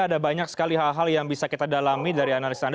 ada banyak sekali hal hal yang bisa kita dalami dari analisa anda